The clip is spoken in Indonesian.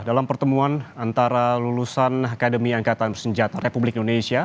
dalam pertemuan antara lulusan akademi angkatan senjata republik indonesia